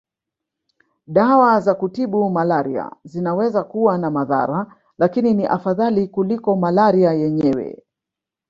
Dawa za kutibu malaria zinaweza kuwa na madhara lakini ni afadhali kuliko malaria yenyewe